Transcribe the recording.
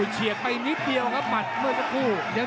เซียกไปนิดเดียวครับบัดเมื่อกี้